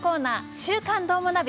「週刊どーもナビ」